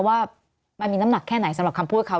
ว่ามันมีน้ำหนักแค่ไหนสำหรับคำพูดเขา